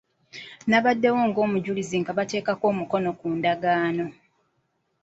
Nabaddewo ng'omujulizi nga bateeka omukono ku ndagaano.